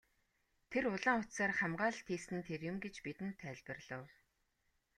Тэр улаан утсаар хамгаалалт хийсэн нь тэр юм гэж бидэнд тайлбарлав.